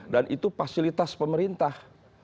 dan itu fasilitas pemerintah